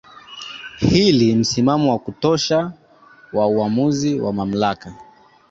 hili Msimamo wa kutosha wa uamuzi wa mamlaka